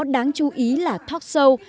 đáng chú ý là talk show